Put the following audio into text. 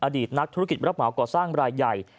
อดีตนักธุรกิจรับเหมาก่อสร้างรายใหญ่